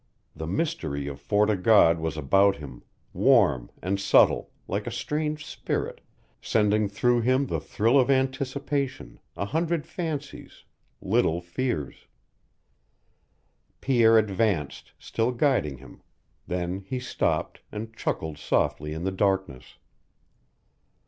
The mystery of Fort o' God was about him, warm and subtle, like a strange spirit, sending through him the thrill of anticipation, a hundred fancies, little fears. Pierre advanced, still guiding him; then he stopped, and chuckled softly in the darkness.